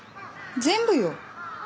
全部よ。